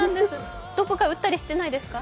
どこか打ったりしてないですか？